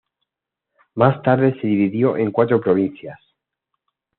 Más tarde se dividió en cuatro provincias.